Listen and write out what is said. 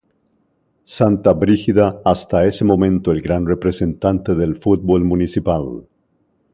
Santa Brígida hasta ese momento el gran representante del fútbol municipal.